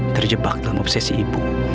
terjebak dalam obsesi ibu